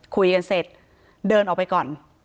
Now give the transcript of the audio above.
คุยกันเสร็จเดินออกไปก่อน